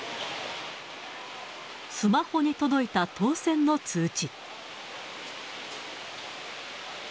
スマホに届いた当せんの通知。